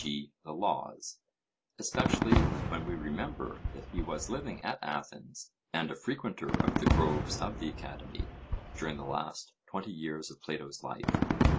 g. the Laws, especially when we remember that he was living at Athens, and a frequenter of the groves of the Academy, during the last twenty years of Plato's life.